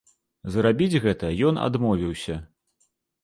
Зрабіць гэта ён адмовіўся.